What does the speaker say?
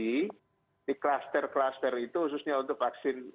di kluster kluster itu khususnya untuk vaksin